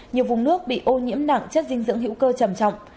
nhiều vùng nước bị ô nhiễm nặng chất dinh dưỡng hữu cơ trầm trọng